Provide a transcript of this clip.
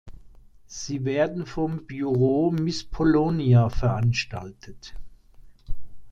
Sie werden vom "Biuro Miss Polonia" veranstaltet.